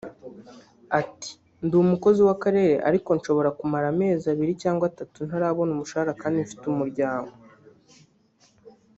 Ati “Ndi umukozi w’Akarere ariko nshobora kumara amezi abiri cyangwa atatu ntarabona umushahara kandi mfite umuryango